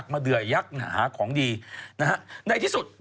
ปลาหมึกแท้เต่าทองอร่อยทั้งชนิดเส้นบดเต็มตัว